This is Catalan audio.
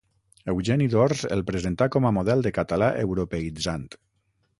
Eugeni d’Ors el presentà com a model de català europeïtzant.